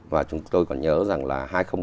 và chúng tôi còn nhớ rằng là hai nghìn một mươi ba